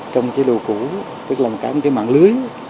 trong chế độ cũ tức làm cả một mạng lưới